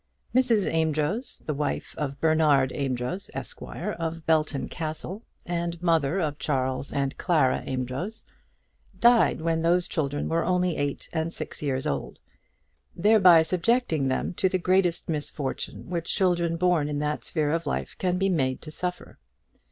Mrs. Amedroz, the wife of Bernard Amedroz, Esq., of Belton Castle, and mother of Charles and Clara Amedroz, died when those children were only eight and six years old, thereby subjecting them to the greatest misfortune which children born in that sphere of life can be made to suffer.